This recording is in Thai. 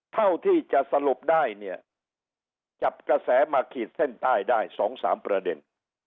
เท่าที่จะสรุปได้เนี่ยจับกระแสมาขีดเส้นใต้ได้๒๓ประเด็น